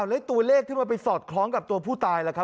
แล้วตัวเลขที่มันไปสอดคล้องกับตัวผู้ตายล่ะครับ